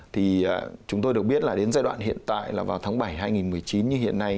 thì chúng tôi được biết là đến giai đoạn hiện tại là vào tháng bảy hai nghìn một mươi chín như hiện nay